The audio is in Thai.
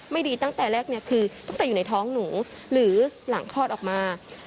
ไม่ดีตั้งแต่แรกเนี่ยคือตั้งแต่อยู่ในท้องหนูหรือหลังคลอดออกมา